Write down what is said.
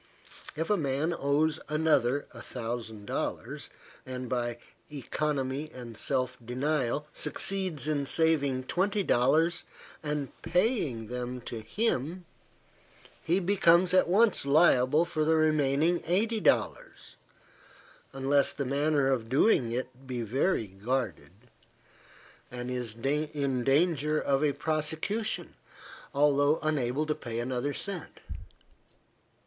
If a man owes another a hundred dollars, and, by economy and self denial, succeeds in saving twenty dollars and paying them to him, he becomes at once liable for the remaining eighty dollars, unless the manner of doing it be very guarded, and is in danger of a prosecution, although unable to pay another cent.